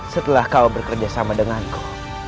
setelah kau bekerja sama denganku